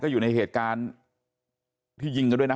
อยู่ในเหตุการณ์ที่ยิงกันด้วยนะ